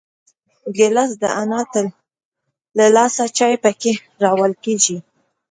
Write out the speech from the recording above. ګیلاس د انا له لاسه چای پکې راوړل کېږي.